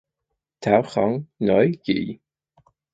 Thảo không nói gì